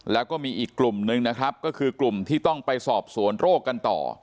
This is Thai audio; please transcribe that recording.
แล้วก็มีอีกกลุ่มนึงนะครับก็คือกลุ่มที่ต้องไปสอบสวนโรคกันต่อ